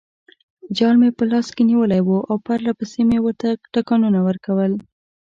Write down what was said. جال مې په لاس کې نیولی وو او پرلپسې مې ورته ټکانونه ورکول.